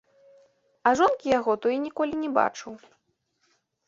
А жонкі яго то і ніколі не бачыў.